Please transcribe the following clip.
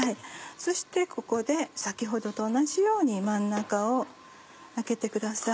そしてここで先ほどと同じように真ん中をあけてください。